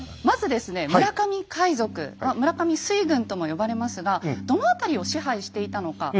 まずですね村上海賊「村上水軍」とも呼ばれますがどの辺りを支配していたのか。